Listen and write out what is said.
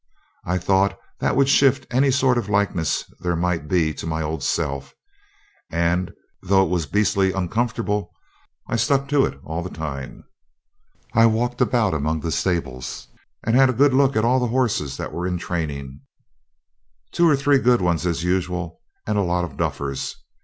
I thought that would shift any sort of likeness there might be to my old self, and, though it was beastly uncomfortable, I stuck to it all the time. I walked about among the stables and had a good look at all the horses that were in training. Two or three good ones, as usual, and a lot of duffers.